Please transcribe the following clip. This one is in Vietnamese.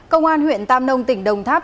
công an huyện tam nông tỉnh đồng tháp